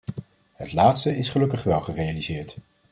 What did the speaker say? Het laatste is gelukkig wel gerealiseerd.